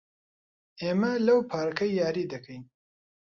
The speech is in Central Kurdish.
ئێمە لەو پارکە یاری دەکەین.